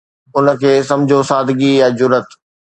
ان کي سمجهو سادگي يا جرئت.